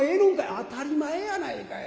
「当たり前やないかい。